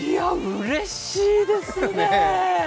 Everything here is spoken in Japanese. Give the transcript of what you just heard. うれしいですねぇ。